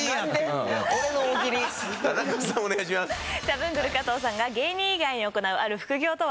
ザブングル加藤さんが芸人以外に行うある副業とは？